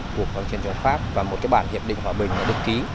cuộc chiến chống pháp và một bản hiệp định hòa bình được ký